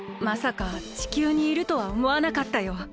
まさか地球にいるとはおもわなかったよ。